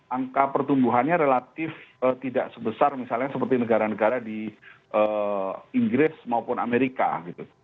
angka pertumbuhannya relatif tidak sebesar misalnya seperti negara negara di inggris maupun amerika gitu